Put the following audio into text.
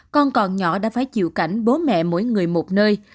con còn nhỏ đã phải chịu cảnh bố mẹ mỗi người một nơi